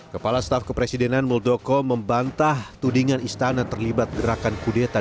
kepala staf kepresidenan muldoko membantah tudingan istana terlibat gerakan kudeta